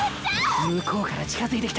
向こうから近づいてきた。